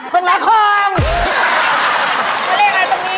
มันเรียกอะไรตรงนี้เนี่ยไม่ใช่